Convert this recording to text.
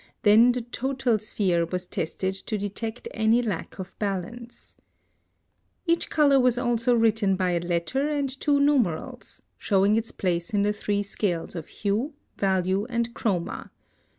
Then the total sphere was tested to detect any lack of balance. (133) Each color was also written by a letter and two numerals, showing its place in the three scales of hue, value, and chroma.